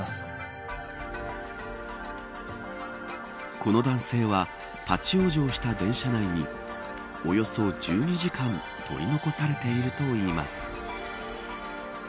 この男性は立ち往生した電車内におよそ１２時間取り残されているといいます。